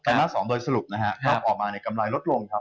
มาส๒โดยสรุปนะฮะก็ออกมาในกำไรลดลงครับ